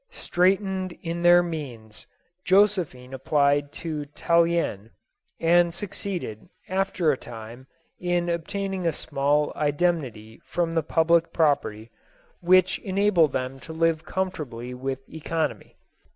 Straitened in their means, Josephine applied to Tal lien, and succeeded, after a time, in obtaining a small indemnity from the public property, which enabled them to li ve comfortably with economy.